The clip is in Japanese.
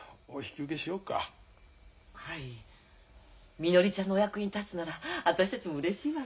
みのりちゃんのお役に立つなら私たちもうれしいわね。